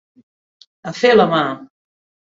A fer la mà!